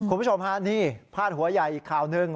คุณผู้ชมฮะนี่พาดหัวใหญ่อีกข่าวหนึ่ง